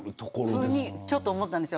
ちょっと思ったんです。